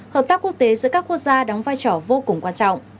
hợp tác quốc tế giữa các quốc gia đóng vai trò vô cùng quan trọng